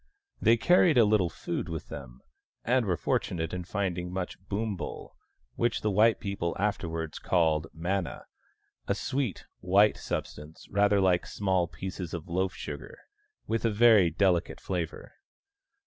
They carried a little food with them, and were fortunate in finding much boombul, which the white people afterwards called manna — a sweet white substance rather like small pieces of loaf sugar, with a very delicate flavour.